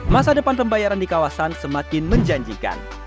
masa depan pembayaran di kawasan semakin menjanjikan